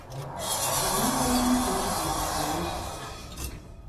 Abantu abamu tebaddizikawo.